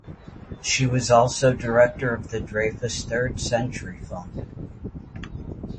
She was also director of the Dreyfus Third Century Fund.